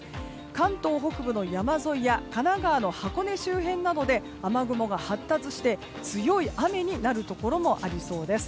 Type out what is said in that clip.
関東北部の山沿いや神奈川の箱根周辺などで雨雲が発達して強い雨になるところもありそうです。